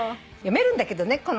読めるんだけどね